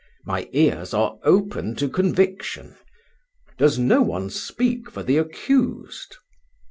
My ears are open to conviction. Does no one speak for the accused?"